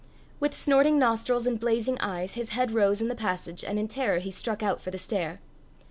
With snorting nostrils and blazing eyes his head rose in the passage, and in terror he struck out for the stair.